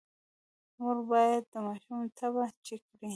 مور باید د ماشوم تبه چیک کړي۔